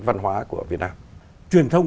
văn hóa của việt nam truyền thông